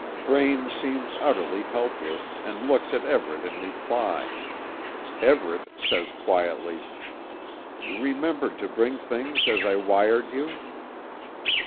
Braine seems utterly helpless, and looks at Everet in reply. Everet says quietly: "You remembered to bring things as I wired you?"